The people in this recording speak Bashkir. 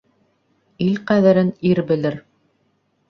Ил ҡәҙерен ир белер.